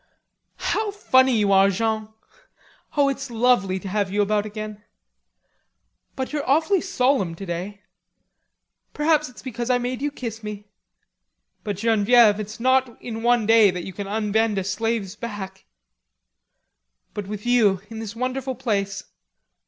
"How funny you are, Jean! Oh, it's lovely to have you about again. But you're awfully solemn today. Perhaps it's because I made you kiss me." "But, Genevieve, it's not in one day that you can unbend a slave's back, but with you, in this wonderful place....